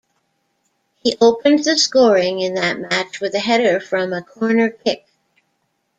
He opened the scoring in that match with a header from a corner kick.